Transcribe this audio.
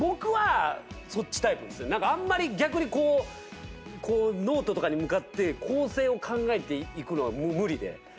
逆にこうノートとかに向かって構成を考えていくのは無理で。